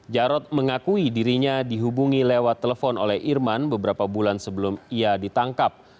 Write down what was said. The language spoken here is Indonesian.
jarod mengakui dirinya dihubungi lewat telepon oleh irman beberapa bulan sebelum ia ditangkap